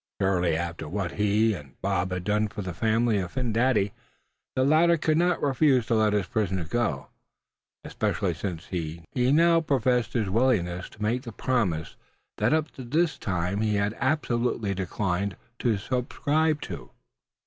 Surely after what he and Bob had done for the family of Phin Dady, the latter could not refuse to let his prisoner go; especially since he now professed his willingness to make the promise that up to this time he had absolutely declined to subscribe to.